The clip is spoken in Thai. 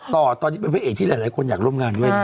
ต่อตอนนี้เป็นพระเอกที่หลายคนอยากร่วมงานด้วยนะ